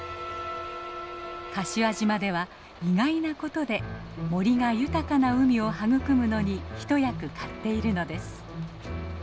柏島では意外なことで森が豊かな海を育むのに一役買っているのです。